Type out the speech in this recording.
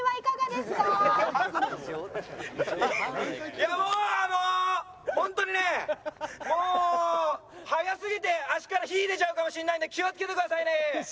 いやもうあのホントにねもう速すぎて足から火出ちゃうかもしれないんで気をつけてくださいね。